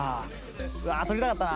うわあ取りたかったな。